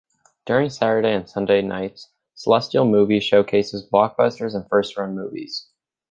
During Saturday and Sunday nights, Celestial Movies showcases blockbusters and first-run movies.